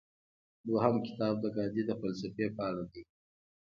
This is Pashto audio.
دویم کتاب د ګاندي د فلسفې په اړه دی.